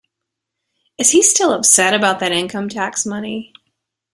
Is he still upset about that income-tax money?